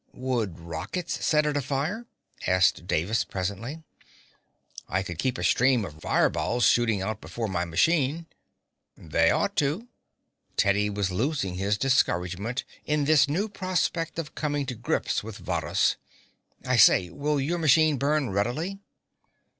"Would rockets set it afire?" asked Davis presently. "I could keep a stream of fire balls shooting out before my machine." "They ought to." Teddy was losing his discouragement in this new prospect of coming to grips with Varrhus. "I say, will your machine burn readily?"